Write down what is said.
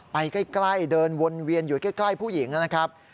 ไปใกล้เดินวนเวียนอยู่ใกล้ผู้หญิงนะครับ